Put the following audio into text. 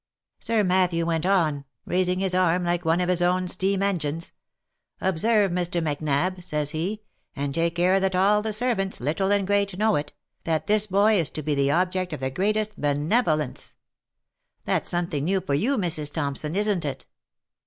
" Sir Matthew went on, raising his arm like one of his own steem engines, ' Observe, Mr. Macnab,' says he, ' and take care that all the servants, little and great, know it, that this boy is to be the object of the greatest benevolence/ That's something new for you, Mrs. Thompson, isn't it?"